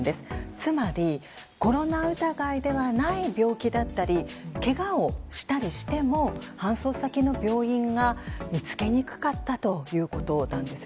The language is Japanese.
つまり、コロナ疑いではない病気であったりけがをしたりしても搬送先の病院が見つけにくかったということなんです。